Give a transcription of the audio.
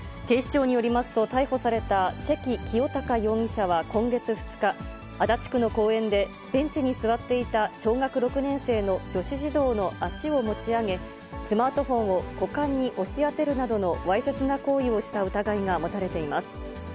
警視庁によりますと、逮捕された関清貴容疑者は今月２日、足立区の公園で、ベンチに座っていた小学６年生の女子児童の足を持ち上げ、スマートフォンを股間に押し当てるなどのわいせつな行為をした疑いが持たれています。